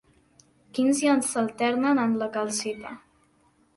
Quins ions s'alternen en la calcita?